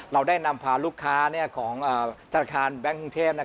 เราได้นำพาลูกค้าของธนาคารแบงค์กรุงเทพ